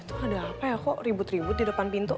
itu ada apa ya kok ribut ribut di depan pintu